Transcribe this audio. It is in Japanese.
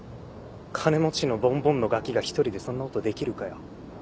金持ちのボンボンのガキが一人でそんなことできるかよ。